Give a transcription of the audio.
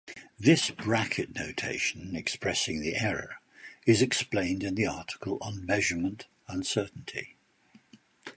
This bracket notation expressing the error is explained in the article on measurement uncertainty.